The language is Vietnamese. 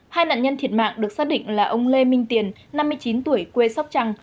hai nạn nhân thiệt mạng được xác định là ông lê minh tiền năm mươi chín tuổi quê sóc trăng